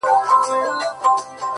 • لکه قام وي د ټپوس او د بازانو,